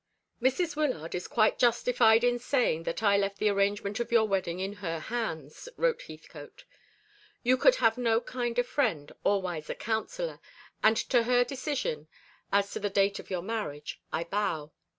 "Mrs. Wyllard is quite justified in saying that I left the arrangement of your wedding in her hands," wrote Heathcote. "You could have no kinder friend or wiser counsellor, and to her decision, as to the date of your marriage, I bow.